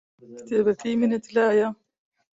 کتێبەکەی منت لایە؟